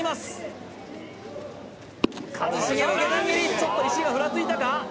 ちょっと石井がふらついたか？